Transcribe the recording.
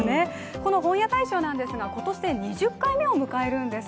この本屋大賞なんですが今年で２０回目を迎えるんです。